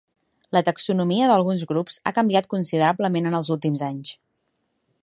La taxonomia d'alguns grups ha canviat considerablement en els últims anys.